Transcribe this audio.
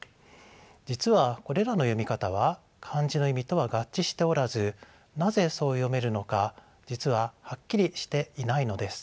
実はこれらの読み方は漢字の意味とは合致しておらずなぜそう読めるのか実ははっきりしていないのです。